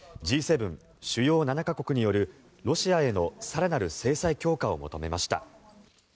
・主要７か国によるロシアへの更なる制裁強化を求めました。